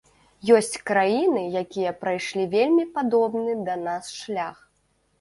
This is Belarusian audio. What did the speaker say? Ёсць краіны, якія прайшлі вельмі падобны да нас шлях.